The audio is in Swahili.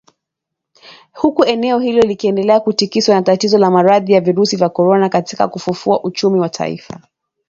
Huku eneo hilo likiendelea kutikiswa na tatizo la Maradhi ya virusi vya korona katika kufufua uchumi wa taifa.